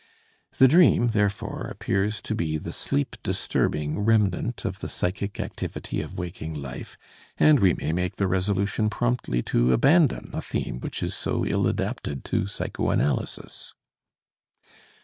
The dream, therefore, appears to be the sleep disturbing remnant of the psychic activity of waking life, and we may make the resolution promptly to abandon a theme which is so ill adapted to psychoanalysis.